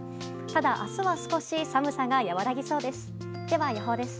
ただ、明日は少し寒さが和らぎそうです。